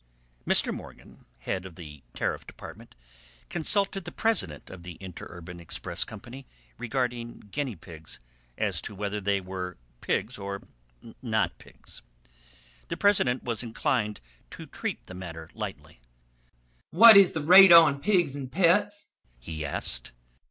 Mr. Morgan, the head of the Tariff Department, consulted the president of the Interurban Express Company regarding guinea pigs, as to whether they were pigs or not pigs. The president was inclined to treat the matter lightly. "What is the rate on pigs and on pets?" he asked.